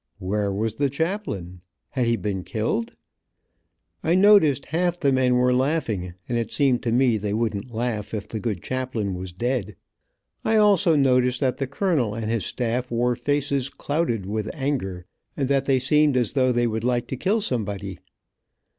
Where was the 'chaplain? Had he been killed? I noticed half the men were laughing and it seemed to me they wouldn't laugh if the good chaplain was dead. I also noticed that the colonel and his staff wore faces clouded with anger, and that they seemed as though they would like to kill somebody.